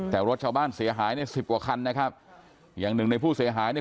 แต่รถชาวบ้านเสียหายเนี่ยสิบกว่าคันนะครับอย่างหนึ่งในผู้เสียหายเนี่ย